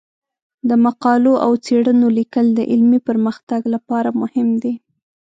د مقالو او څیړنو لیکل د علمي پرمختګ لپاره مهم دي.